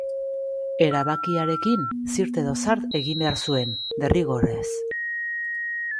Erabakiarekin zirt edo zart egin behar zuen, derrigorrez.